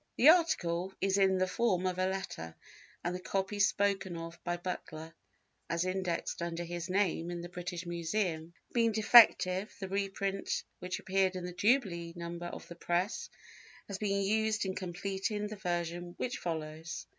The article is in the form of a letter, and the copy spoken of by Butler, as indexed under his name in the British Museum, being defective, the reprint which appeared in the jubilee number of the Press has been used in completing the version which follows.